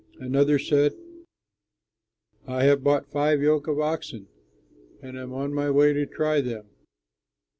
Another said, 'I have bought five yoke of oxen and am on my way to try them.